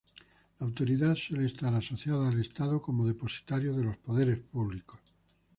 La autoridad suele estar asociada al Estado como depositario de los poderes públicos.